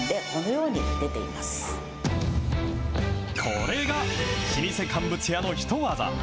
これが老舗乾物屋のヒトワザ。